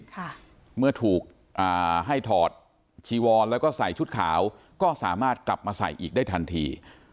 ค่ะเมื่อถูกอ่าให้ถอดจีวอนแล้วก็ใส่ชุดขาวก็สามารถกลับมาใส่อีกได้ทันที